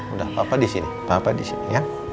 udah papa disini papa disini ya